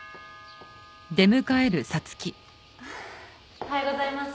おはようございます。